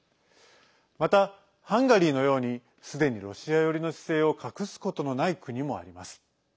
また、ハンガリーのようにすでにロシア寄りの姿勢を隠すことのない国もあります。